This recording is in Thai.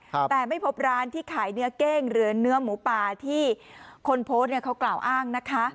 แต่ไม่พบร้านที่ขายเนื้อเก้งหรือเนื้อหมูป่าที่คนโพสต์เนี้ยเขากล่าวอ้างนะคะ